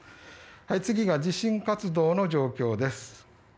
次が地震活動の状況です。